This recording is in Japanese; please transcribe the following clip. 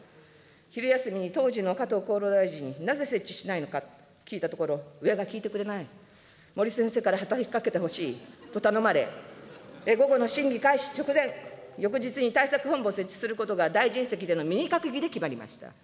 昼休みに当時の加藤厚労大臣になぜ設置しないのか聞いたところ、上が聞いてくれない、森先生から働きかけてほしいと頼まれ、午後の審議開始直前、翌日に対策本部を設置することが大臣席でのミニ閣議で決まりました。